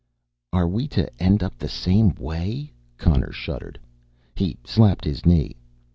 "Are we to end up the same way?" Connor shuddered. He slapped his knee.